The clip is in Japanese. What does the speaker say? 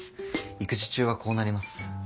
育児中はこうなります。